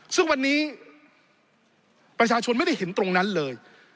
ซึ่งวันนี้ประชาชนไม่ได้เห็นตรงนั้นเลย